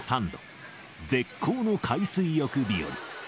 絶好の海水浴日和。